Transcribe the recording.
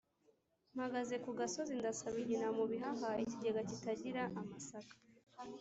Mpagaze ku gasozi ndasa Rugina mu bihaha-Ikigega kitagira amasaka.